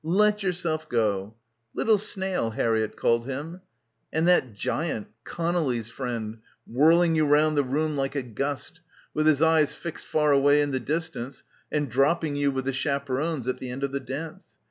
Let yourself go. Little snail, Harriett called him. And that giant, Conelly's friend, whirling you round the room like a gust, with his eyes fixed far away in the distance and dropping you with the chaperones at the end of the dance.